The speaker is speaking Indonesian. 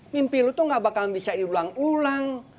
mimpi lu tuh gak bakal bisa diulang ulang